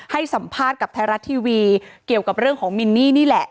ให้สัมภาษณ์กับไทยรัฐทีวีเกี่ยวกับเรื่องของมินนี่นี่แหละ